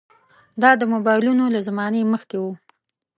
دا د موبایلونو له زمانې مخکې وو.